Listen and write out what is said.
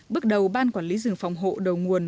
bước đầu ban quản lý rừng phòng hộ đầu nguồn